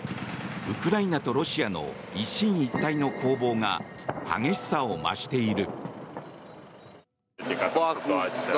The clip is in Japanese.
ウクライナとロシアの一進一退の攻防が激しさを増している。